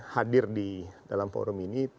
hadir di dalam forum ini